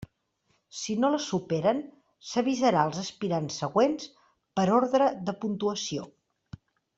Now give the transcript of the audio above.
Si no les superen, s'avisarà els aspirants següents per ordre de puntuació.